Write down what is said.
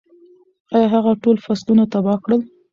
ایا هغه ټول فصلونه تباه کړل؟